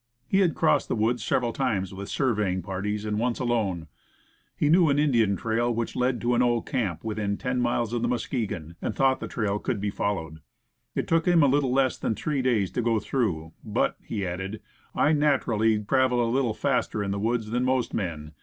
He had crossed the woods several times with surveying parties, and once alone. He knew an Indian trail which led to an old camp within ten miles of the Muskegon, and thought the trail could be followed. It took him a little less than three days to go through; ''but," he added, "I nat'rally travel a little faster in the woods than' most men.